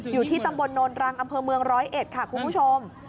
อยู่ที่ตำบลโนรังอมร้อยเอ็ดค่ะคุณผู้ชม